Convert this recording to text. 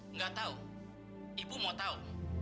nggak tahu ibu mau tahu